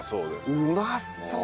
うまそう。